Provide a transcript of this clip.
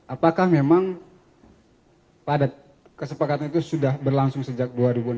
apakah memang padat kesepakatan itu sudah berlangsung sejak dua ribu enam belas